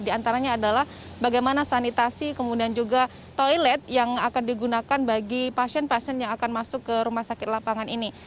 di antaranya adalah bagaimana sanitasi kemudian juga toilet yang akan digunakan bagi pasien pasien yang akan masuk ke rumah sakit lapangan ini